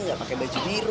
enggak pakai baju biru